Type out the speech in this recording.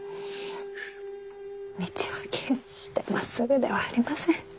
道は決してまっすぐではありません。